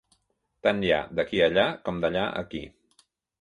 Tant hi ha d'aquí a allà com d'allà a aquí.